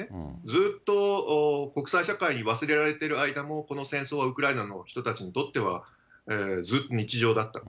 ずっと国際社会に忘れられている間も、この戦争はウクライナの人たちにとっては、ずっと日常だったと。